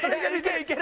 いける！